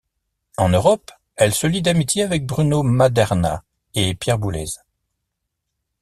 En Europe, elle se lie d'amitié avec Bruno Maderna et Pierre Boulez.